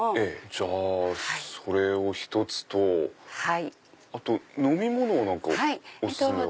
じゃあそれを１つとあと飲み物何かお薦めは？